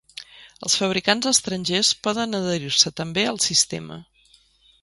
Els fabricants estrangers poden adherir-se també al sistema.